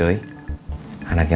anaknya mandasete banyak ya